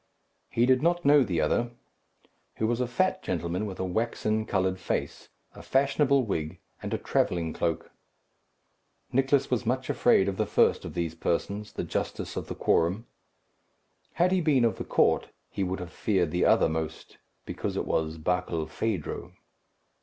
He did not know the other, who was a fat gentleman, with a waxen coloured face, a fashionable wig, and a travelling cloak. Nicless was much afraid of the first of these persons, the justice of the quorum. Had he been of the court, he would have feared the other most, because it was Barkilphedro.